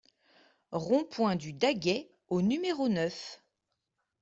Rond-Point du Daguet au numéro neuf